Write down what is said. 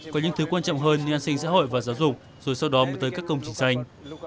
có những thứ quan trọng hơn như an sinh xã hội và giáo dục rồi sau đó mới tới các công trình xanh